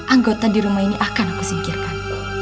anggota di rumah ini akan aku singkirkan